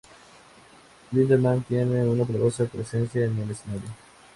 Lindemann tiene una poderosa presencia en el escenario.